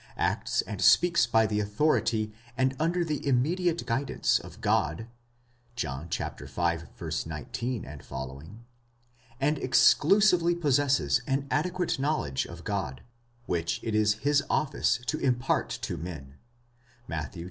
acts and speaks by the authority, and under the immediate guidance of God (John v. 19 ff.), and exclusively possesses an adequate knowledge of God, which it is his office to impart to men (Matt, xi.